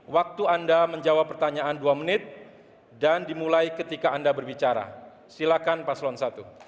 waktu anda menjawab pertanyaan dua menit dan dimulai ketika anda berbicara silakan paslon satu